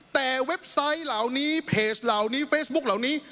แต่เว็บไซต์เหล่านี้เพจเหล่านี้เฟซบุ๊คเหล่านี้